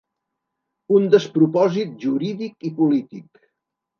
Un despropòsit jurídic i polític